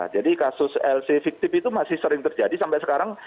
jadi kasus lc fiktif itu masih sering terjadi sampai sekarang